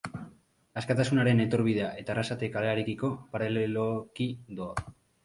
Askatasunaren etorbidea eta Arrasate kalearekiko paraleloki doa.